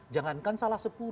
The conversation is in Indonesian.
jangankan salah sepuluh